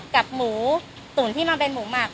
กับหมูตุ๋นที่มันเป็นหมูหมัก